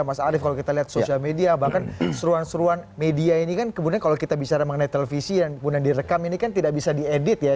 mas arief kalau kita lihat sosial media bahkan seruan seruan media ini kan kemudian kalau kita bicara mengenai televisi yang kemudian direkam ini kan tidak bisa diedit ya